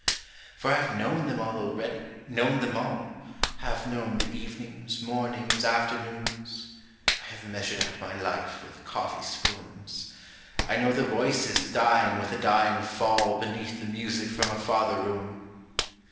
For I have known them all already, known them all: Have known the evenings, mornings, afternoons, I have measured out my life with coffee spoons; I know the voices dying with a dying fall Beneath the music from a farther room.